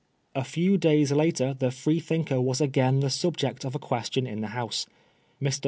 A few days later the Freethinker was again the subject of a question in the House. Mr.